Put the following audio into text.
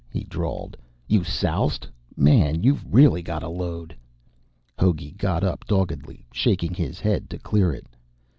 he drawled. "You soused? Man, you've really got a load." Hogey got up doggedly, shaking his head to clear it.